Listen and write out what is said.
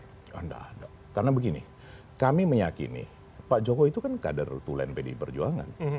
tidak ada karena begini kami meyakini pak jokowi itu kan kader tulen pdi perjuangan